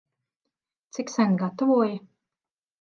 Cik sen gatavoji?